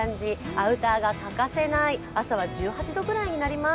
アウターが欠かせない、朝は１８度くらいになります。